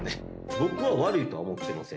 僕は悪いとは思ってません。